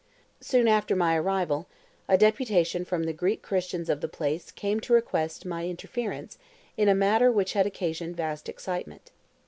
Soon after my arrival a deputation from the Greek Christians of the place came to request my interference in a matter which had occasioned vast excitement.